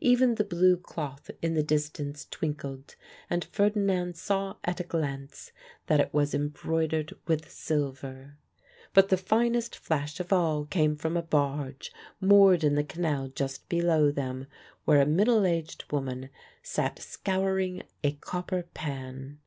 Even the blue cloth in the distance twinkled, and Ferdinand saw at a glance that it was embroidered with silver. But the finest flash of all came from a barge moored in the canal just below them, where a middle aged woman sat scouring a copper pan.